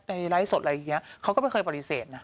ไลฟ์สดอะไรอย่างนี้เขาก็ไม่เคยปฏิเสธนะ